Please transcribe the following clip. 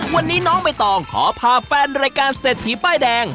วันนี้น้องใบตองขอพาแฟนรายการเศรษฐีป้ายแดง